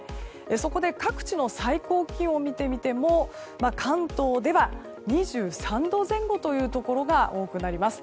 そこで、各地の最高気温を見てみても関東では２３度前後というところが多くなります。